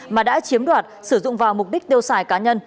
mà đã chiếm đoạt sử dụng vào mục đích tiêu xài cá nhân